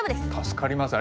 助かります